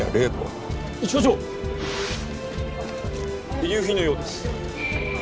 遺留品のようです。